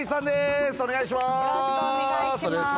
お願いします。